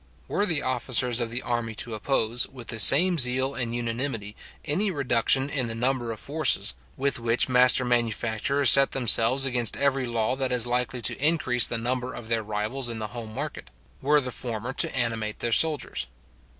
Were the officers of the army to oppose, with the same zeal and unanimity, any reduction in the number of forces, with which master manufacturers set themselves against every law that is likely to increase the number of their rivals in the home market; were the former to animate their soldiers.